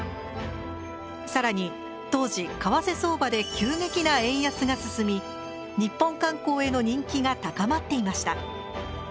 更に当時為替相場で急激な円安が進み日本観光への人気が高まっていました。